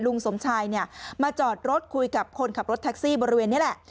ลุงสมชายเนี่ยมาจอดรถคุยกับคนขับรถแท็กซี่บริเวณนี้แหละ